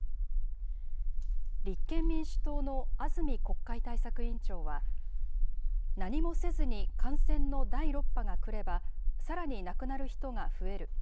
立憲民主党の安住国会対策委員長は、何もせずに感染の第６波が来れば、さらに亡くなる人が増える。